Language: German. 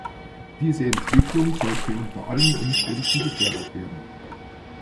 Diese Entwicklung sollte unter allen Umständen gefördert werden.